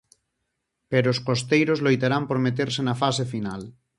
Pero os costeiros loitarán por meterse na fase final.